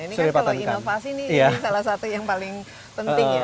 ini kan kalau inovasi ini salah satu yang paling penting ya